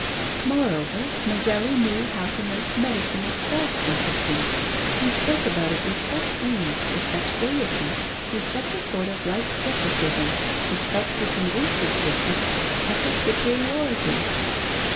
Moreover, Mazelli knew how to make medicine itself interesting; he spoke about it with such ease, with such gaiety, and with a sort of light scepticism which helped to convince his listeners of his superiority.